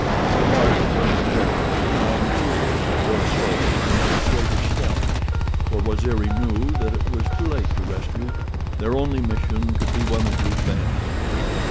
The march toward the village was now resumed, more slowly and with greater stealth, for Waziri knew that it was too late to rescue—their only mission could be one of revenge.